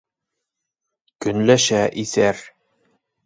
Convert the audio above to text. Көнләшә, иҫәр.